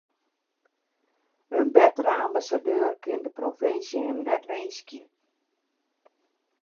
In bettere ambassadeur kin de provinsje him net winskje.